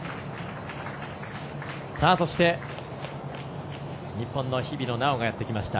そして、日本の日比野菜緒がやってきました。